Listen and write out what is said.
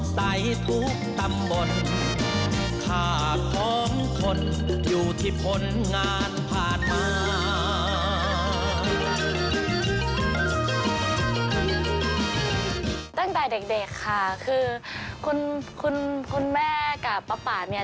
ตั้งแต่เด็กค่ะคือคุณคุณแม่กับป้าป่าเนี่ย